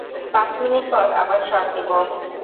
পাঁচ মিনিট পর আবার শর্ট নিবো!